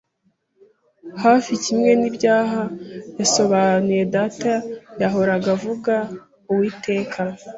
hafi kimwe n'ibyaha yasobanuye. Data yahoraga avuga Uwiteka